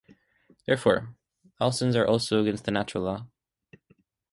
Therefore, all sins are also against the natural law.